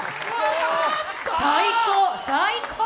最高、最高！